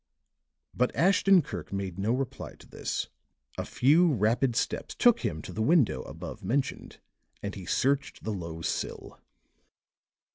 But Ashton Kirk made no reply to this; a few rapid steps took him to the window above mentioned, and he searched the low sill.